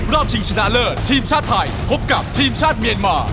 ชิงชนะเลิศทีมชาติไทยพบกับทีมชาติเมียนมา